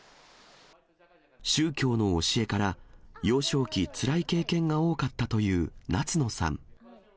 宗教の教えから、幼少期、つらい経験が多かったという夏野さん。